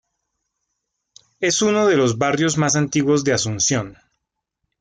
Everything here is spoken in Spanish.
Es uno de los barrios más antiguos de Asunción.